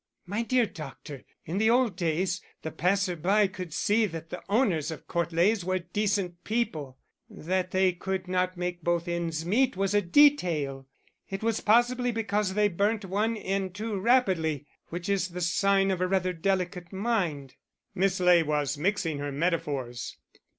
My dear doctor, in the old days, the passer by could see that the owners of Court Leys were decent people; that they could not make both ends meet was a detail it was possibly because they burnt one end too rapidly, which is the sign of a rather delicate mind." Miss Ley was mixing her metaphors.